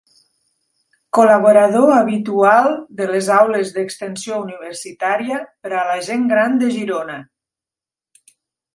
Col·laborador habitual de les Aules d'extensió universitària per a la gent gran de Girona.